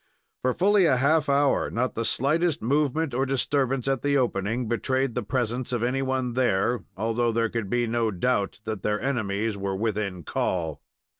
For fully a half hour not the slightest movement or disturbance at the opening betrayed the presence of any one there, although there could be no doubt that their enemies were within call.